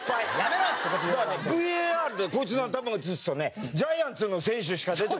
ＶＡＲでこいつの頭映すとねジャイアンツの選手しか出てこない。